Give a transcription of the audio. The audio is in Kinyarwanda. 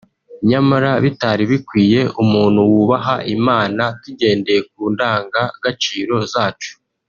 nyamara bitari bikwiye umuntu wubaha Imana tugendeye ku ndanga gaciro zacu